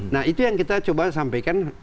nah itu yang kita coba sampaikan